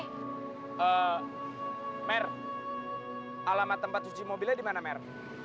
eh mer alamat tempat cuci mobilnya di mana mer